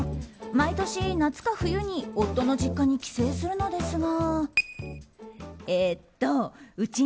毎年、夏か冬に夫の実家に帰省するのですが。